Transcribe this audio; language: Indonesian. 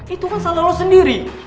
itu masalah lo sendiri